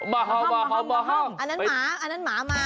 มาห่อมมาห่อมอันนั้นหมาอันนั้นหมามา